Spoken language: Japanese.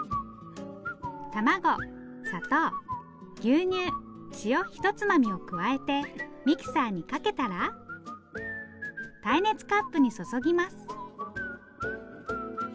卵砂糖牛乳塩ひとつまみを加えてミキサーにかけたら耐熱カップに注ぎます。